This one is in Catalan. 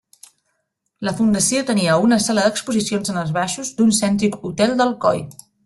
La fundació tenia una sala d'exposicions en els baixos d'un cèntric hotel d'Alcoi.